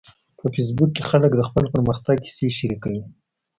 په فېسبوک کې خلک د خپل پرمختګ کیسې شریکوي